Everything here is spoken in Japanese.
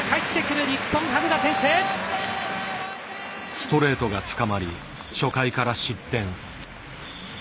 ストレートが捕まり初回から失点。